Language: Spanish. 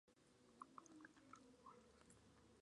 Sirvió algún tiempo en Cuba, a las órdenes del general Concha.